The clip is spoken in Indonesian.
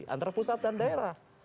antara pusat dan daerah